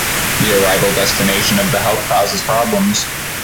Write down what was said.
The arrival destination of the help causes problems.